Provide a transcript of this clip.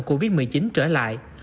covid một mươi chín trở lại